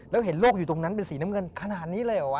แล้วเห็นลูกอยู่ตรงนั้นเป็นสีน้ำเงินขนาดนี้เลยเหรอวะ